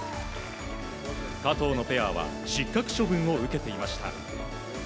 加藤のペアは失格処分を受けていました。